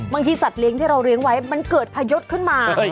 สัตว์เลี้ยงที่เราเลี้ยงไว้มันเกิดพายศขึ้นมา